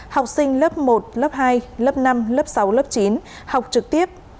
học sinh lớp một lớp hai lớp năm lớp sáu lớp chín học trực tiếp